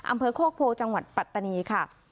อำเภอโคกโพจังหวัดปัตตานีค่ะ